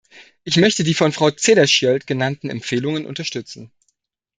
Ich möchte die von Frau Cederschiöld genannten Empfehlungen unterstützen.